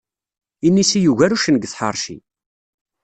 Inisi yugar uccen deg tḥeṛci.